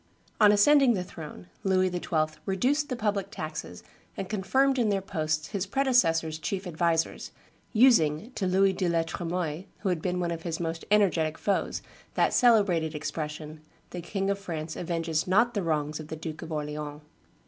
On ascending the throne Louis XII. reduced the public taxes and confirmed in their posts his predecessor's chief advisers, using to Louis de la Tremoille, who had been one of his most energetic foes, that celebrated expression, "The King of France avenges not the wrongs of the Duke of Orleans."